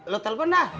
lu telepon dah